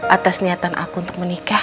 atas niatan aku untuk menikah